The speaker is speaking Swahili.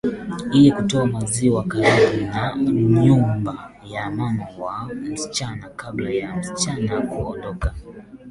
Yeye hutoa maziwa karibu na nyumba ya mama wa msichana Kabla ya msichana kuondoka